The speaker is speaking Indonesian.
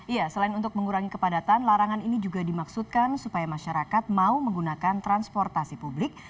iya selain untuk mengurangi kepadatan larangan ini juga dimaksudkan supaya masyarakat mau menggunakan transportasi publik